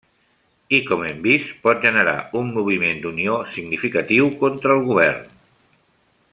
I com hem vist, pot generar un moviment d'unió significatiu conte el govern.